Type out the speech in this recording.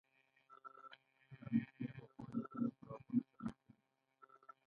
له مثبتې ارواپوهنې ځينې ځوابونه څرګند شوي دي.